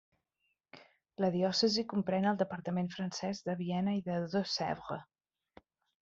La diòcesi comprèn el departament francès de Viena i de Deux-Sèvres.